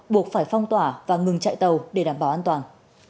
buộc phải phong tỏa và ngừng chạy tàu để đảm bảo an toàn